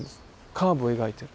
カーブを描いてる。